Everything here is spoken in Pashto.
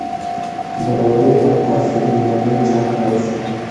د "غرور او تعصب" لومړنی چاپ رد شو.